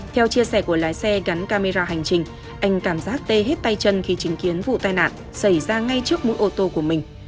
theo chia sẻ của lái xe gắn camera hành trình anh cảm giác tê hết tay chân khi chứng kiến vụ tai nạn xảy ra ngay trước mỗi ô tô của mình